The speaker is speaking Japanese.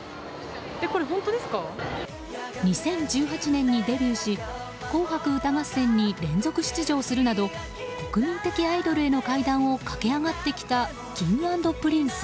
２０１８年にデビューし「紅白歌合戦」に連続出場するなど国民的アイドルへの階段を駆け上がってきたＫｉｎｇ＆Ｐｒｉｎｃｅ。